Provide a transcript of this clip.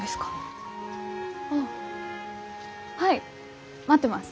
はい待ってます。